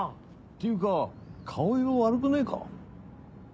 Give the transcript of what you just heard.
っていうか顔色悪くねえか？